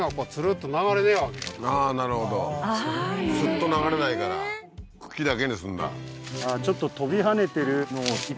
なるほどスッと流れないから茎だけにすんだ